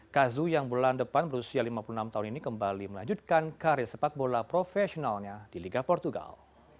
kazu yang bulan depan berusia lima puluh enam tahun ini kembali melanjutkan karir sepak bola profesionalnya di liga portugal